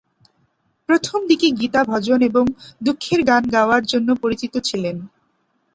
প্রথম দিকে গীতা ভজন এবং দুঃখের গান গাওয়ার জন্য পরিচিত ছিলেন।